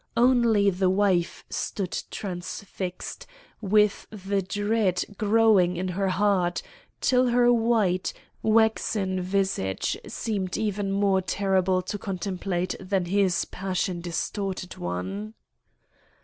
Only the wife stood transfixed, with the dread growing in her heart, till her white, waxen visage seemed even more terrible to contemplate than his passion distorted one.